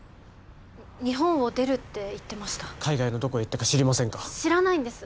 日本を出るって言ってました海外のどこへ行ったか知りませんか知らないんです